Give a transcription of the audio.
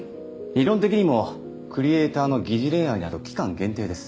理論的にもクリエイターの擬似恋愛など期間限定です